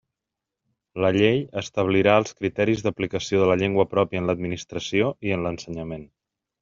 La llei establirà els criteris d'aplicació de la llengua pròpia en l'Administració i en l'ensenyament.